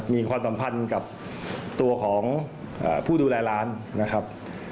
ความสัมพันธ์กับตัวของผู้ดูแลร้านนะครับ